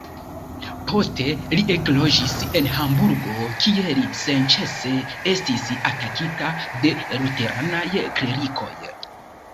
Poste li ekloĝis en Hamburgo, kie li senĉese estis atakita de luteranaj klerikoj.